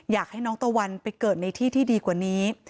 อยากให้น้องตะวันไปเกิดในที่ที่ดีกว่านี้